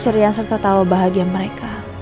kecerian serta tahu bahagia mereka